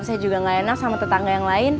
saya juga gak enak sama tetangga yang lain